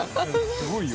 すごいよ。